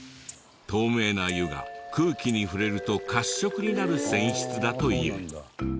透明な湯が空気に触れると褐色になる泉質だという。